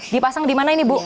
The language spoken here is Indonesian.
dipasang dimana ini bu